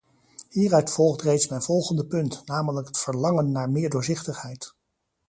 Hieruit volgt reeds mijn volgende punt, namelijk het verlangen naar meer doorzichtigheid.